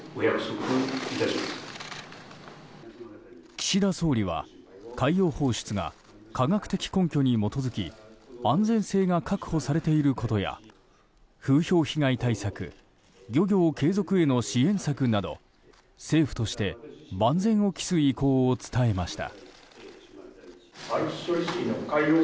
岸田総理は海洋放出が科学的根拠に基づき安全性が確保されていることや風評被害対策漁業継続への支援策など政府として万全を期す意向を伝えました。